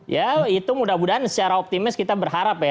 ya itu mudah mudahan secara optimis kita berharap ya